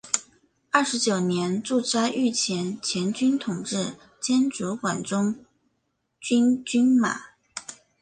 二十九年驻扎御前前军统制兼主管中军军马。